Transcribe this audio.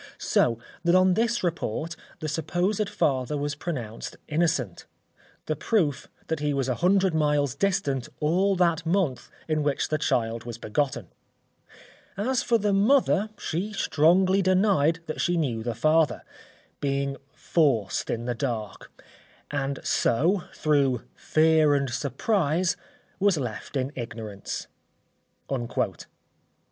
So that on this report, the supposed father was pronounced innocent; the proof that he was 100 miles distant all that month in which the child was begotten; as for the mother she strongly denied that she knew the father, being forced in the dark; and so, through fear and surprise, was left in ignorance."